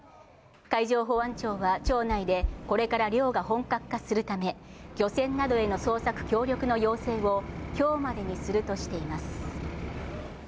海上保安庁は町内で、これから漁が本格化するため、漁船などへの捜索協力の要請をきょうまでにするとしています。